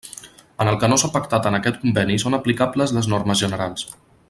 En el que no s'ha pactat en aquest conveni són aplicables les normes generals.